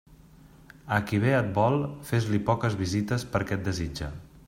A qui bé et vol, fes-li poques visites perquè et desitge.